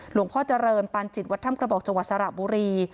หลวงพ่อเจริญปานจิตวัดถ้ำกระบอกจังหวัดสระบุรี